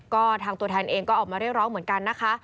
ก็ทางตัวแทนเองก็ออกมาเรียกร้องเหมือนกันนะคะ